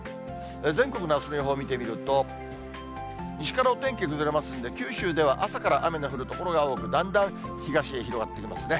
全国のあすの予報見てみると、西からお天気崩れますんで、九州では朝から雨が降る所が多く、だんだん東へ広がってきますね。